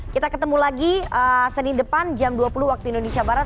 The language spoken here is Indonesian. kita ketemu lagi senin depan jam dua puluh waktu indonesia barat